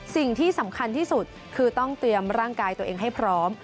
สิ่งที่สำคัญที่สุดคือต้องเตรียมร่างกายตัวเองให้พร้อม